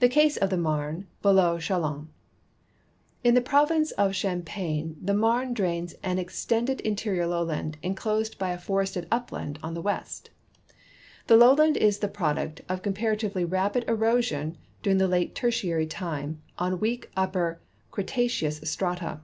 The case of the Marne below Chalons. — In the province of Cliam jiagne the Marne drains an extended interior lowland inclosed liy a forested upland on the west. The lowland is the ]>roduct of comparatively rapid erosion during late Tertiary time on weak upper Cretaceous strata.